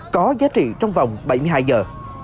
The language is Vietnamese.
có giá trị trong vòng bảy mươi hai giờ